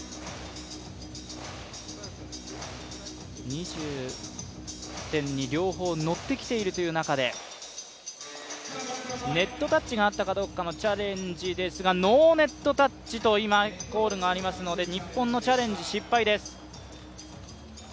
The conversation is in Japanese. ２０点に両方のってきているという中でネットタッチがあったかどうかのチャレンジですがノーネットタッチとコールがありますので日本のチャレンジ失敗です。